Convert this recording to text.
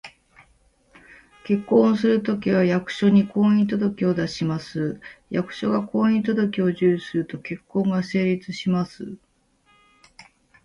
結婚をするときは、役所に「婚姻届」を出します。役所が「婚姻届」を受理すると、結婚が成立します